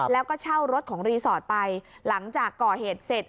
แล้วก็เช่ารถของรีสอร์ทไปหลังจากก่อเหตุเสร็จ